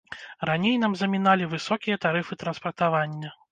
Раней нам заміналі высокія тарыфы транспартавання.